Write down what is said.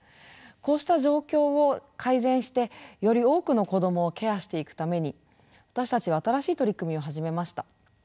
こうした状況を改善してより多くの子どもをケアしていくために私たちは新しい取り組みを始めました。